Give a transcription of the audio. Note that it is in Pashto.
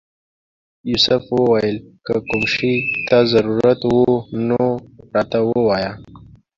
یوسف وویل که کوم شي ته ضرورت و نو راته ووایه.